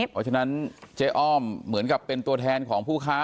เพราะฉะนั้นเจ๊อ้อมเหมือนกับเป็นตัวแทนของผู้ค้า